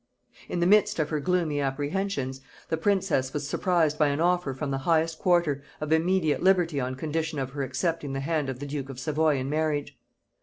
In the midst of her gloomy apprehensions, the princess was surprised by an offer from the highest quarter, of immediate liberty on condition of her accepting the hand of the duke of Savoy in marriage.